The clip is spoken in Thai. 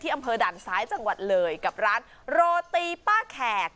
อำเภอด่านซ้ายจังหวัดเลยกับร้านโรตีป้าแขก